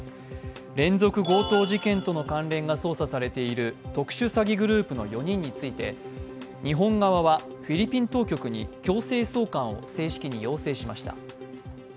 連続強盗事件との関連が捜査されている特殊詐欺グループの４人について日本側はフィリピン当局に強制送還を正式に要請しました。